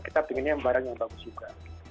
kita pengennya barang yang bagus juga